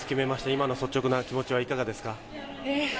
今の率直な気持ちはいかがですか？